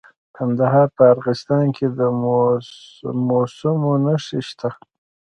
د کندهار په ارغستان کې د مسو نښې شته.